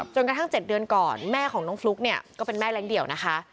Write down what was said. จนกระทั่ง๗เดือนก่อนแม่ของน้องฟลุ๊กเนี่ยก็เป็นแม่เล้งเดี่ยวนะคะ